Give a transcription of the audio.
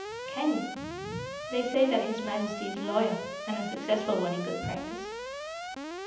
"Can you? They say that his majesty is a lawyer, and a successful one, in good practice."